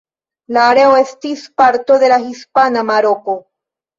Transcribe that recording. La areo estis parto de la Hispana Maroko.